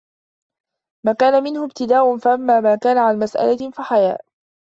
مَا كَانَ مِنْهُ ابْتِدَاءٌ فَأَمَّا مَا كَانَ عَنْ مَسْأَلَةٍ فَحَيَاءٌ